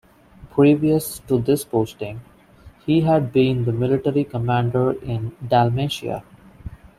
Previous to this posting, he had been the military commander in Dalmatia.